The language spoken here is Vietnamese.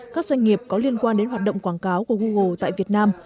các doanh nghiệp có liên quan đến hoạt động quảng cáo của google tại việt nam